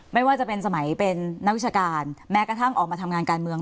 ไม่ว่าจะเป็นสมัยเป็นนักวิชาการแม้กระทั่งออกมาทำงานการเมือง